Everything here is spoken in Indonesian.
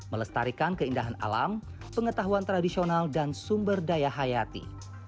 melestarikan keindahan alam pengetahuan tradisional dan sumber daya hayati